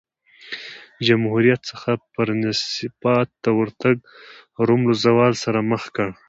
جمهوریت څخه پرنسیپات ته ورتګ روم له زوال سره مخ کړ